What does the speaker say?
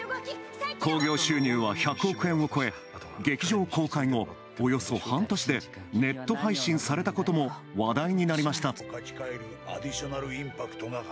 興行収入は１００億円を超え、劇場公開後、およそ半年でネット配信されたことも話題になりました。